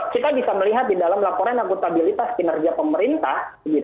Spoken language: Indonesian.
kita bisa melihat di dalam laporan akuntabilitas kinerja pemerintah